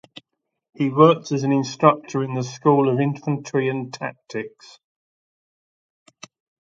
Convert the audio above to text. He worked as an instructor in the School of Infantry and Tactics.